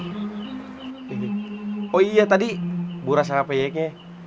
tapi tadi buras sama peyeknya